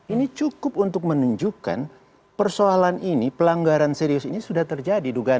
ini cukup untuk menunjukkan persoalan ini pelanggaran serius ini sudah terjadi